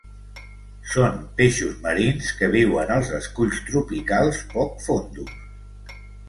Són peixos marins que viuen als esculls tropicals poc fondos.